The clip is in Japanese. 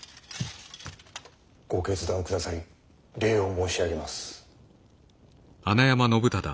ご決断くださり礼を申し上げます。